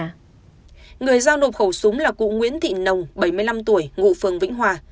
người giao nộp khẩu súng là cụ nguyễn thị nồng bảy mươi năm tuổi ngụ phường vĩnh hòa